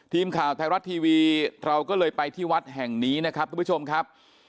ทีมข่าวไทยรัฐทีวีเราก็เลยไปที่วัดแห่งนี้นะครับทุกผู้ชมครับ